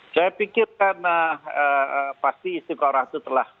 saya pikir karena pasti istiqorah itu telah